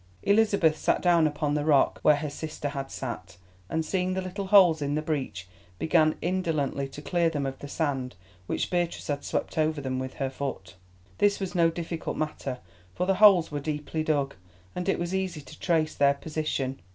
Elizabeth sat down upon the rock where her sister had sat, and, seeing the little holes in the breach, began indolently to clear them of the sand which Beatrice had swept over them with her foot. This was no difficult matter, for the holes were deeply dug, and it was easy to trace their position.